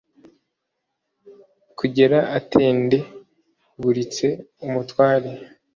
kugera atende buritse umutware